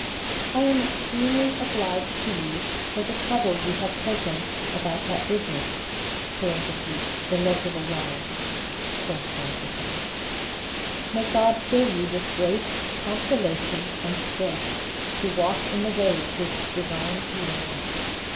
I am extremely obliged to you for the trouble you have taken about that business (illegible lines).... May God fill you with grace, consolation, and strength to walk in the way of His divine commandments!